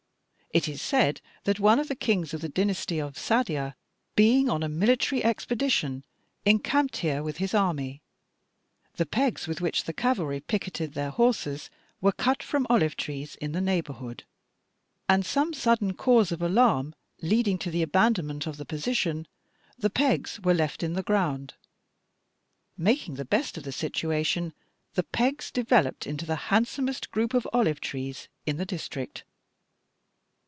It is said that one of the kings of the dynasty of Saddia, being on a military expedition, encamped here with his army. The pegs with which the cavalry picketed their horses were cut from olive trees in the neighborhood, and, some sudden cause of alarm leading to the abandonment of the position, the pegs were left in the ground. Making the best of the situation, the pegs developed into the handsomest group of olive trees in the district."